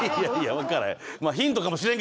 分からへん。